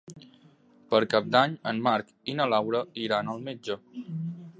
Per Cap d'Any en Marc i na Laura iran al metge.